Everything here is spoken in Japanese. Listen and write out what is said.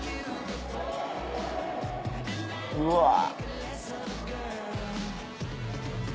うわっ！